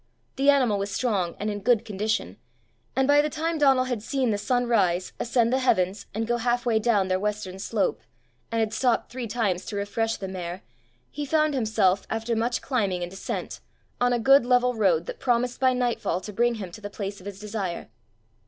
The animal was strong and in good condition, and by the time Donal had seen the sun rise, ascend the heavens, and go half way down their western slope, and had stopped three times to refresh the mare, he found himself, after much climbing and descent, on a good level road that promised by nightfall to bring him to the place of his desire.